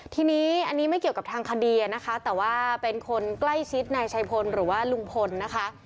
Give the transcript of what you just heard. ทีนี้อันนี้ไม่เกี่ยวกับทางคดีนะคะแต่ว่าเป็นคนใกล้ชิดนายชัยพลหรือว่าลุงพลนะคะ